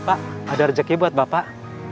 pak ada rezeki buat bapak